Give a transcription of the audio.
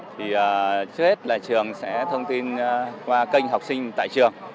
thì trước hết là trường sẽ thông tin qua kênh học sinh tại trường